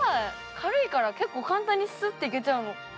軽いから結構簡単にスッといけちゃう。